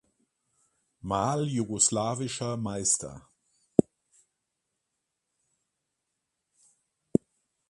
Mal jugoslawischer Meister.